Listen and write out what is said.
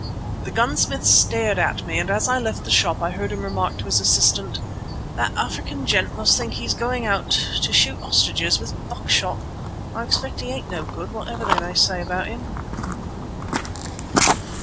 The gunsmith stared at me, and as I left the shop I heard him remark to his assistant: "That African gent must think he's going out to shoot ostriches with buck shot. I expect he ain't no good, whatever they may say about him."